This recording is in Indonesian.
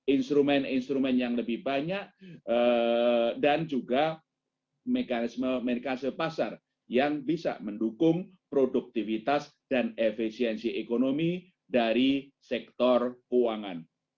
instrumen instrumen yang lebih banyak dan juga mekanisme merikase pasar yang bisa mendukung produktivitas dan efisiensi ekonomi dari sektor keuangan